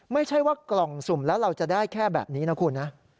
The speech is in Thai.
ไม่ใช่ว่ากล่องสุ่มแล้วเราจะได้แค่แบบนี้นะคุณนะ